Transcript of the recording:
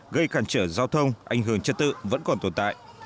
gây cản trở giao thông ảnh hưởng chất tự vẫn còn tồn tại